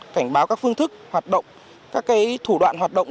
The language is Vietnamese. cảnh báo các phương thức hoạt động các thủ đoạn hoạt động